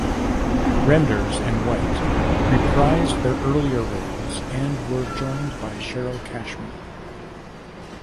Renders and White reprised their earlier roles and were joined by Cheryl Cashman.